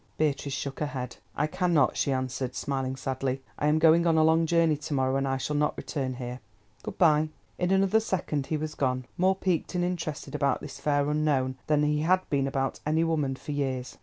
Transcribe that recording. Beatrice shook her head. "I cannot," she answered, smiling sadly. "I am going on a long journey to morrow, and I shall not return here. Good bye." In another second he was gone, more piqued and interested about this fair unknown than he had been about any woman for years.